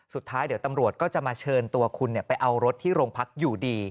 สุดท้ายเดี๋ยวตำรวจก็จะมาเชิญตัวคุณไปเอารถที่โรงพักอยู่ดี